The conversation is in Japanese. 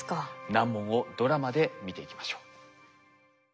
難問をドラマで見ていきましょう。